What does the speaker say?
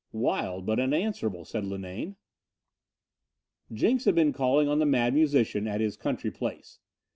"Wild, but unanswerable," said Linane. Jenks had been calling on the Mad Musician at his country place.